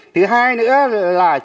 thứ hai nữa là